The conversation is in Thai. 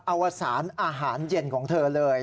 อวสารอาหารเย็นของเธอเลย